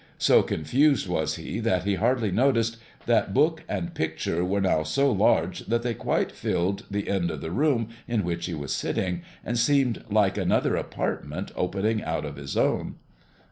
So confused was he that he hardly noticed that book and picture were now so large that they quite filled the end of the room in which he was sitting, and seemed like another apartment opening out of his own.